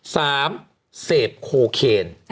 ๓เศษโคเคน